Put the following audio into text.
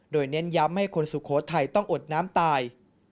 โดยเน้นย้ำให้คนสุโขทัยต้องอดน้ำตาย